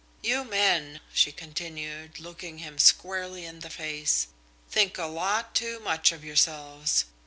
"You men," she continued, looking him squarely in the face, "think a lot too much of yourselves.